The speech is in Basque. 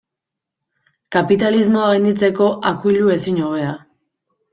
Kapitalismoa gainditzeko akuilu ezin hobea.